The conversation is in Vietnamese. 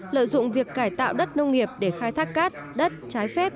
lợi dụng việc cải tạo đất nông nghiệp để khai thác cát đất trái phép